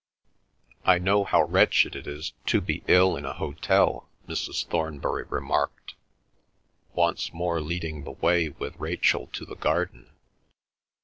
"I know how wretched it is to be ill in a hotel," Mrs. Thornbury remarked, once more leading the way with Rachel to the garden.